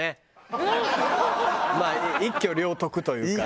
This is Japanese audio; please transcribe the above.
まあ一挙両得というか。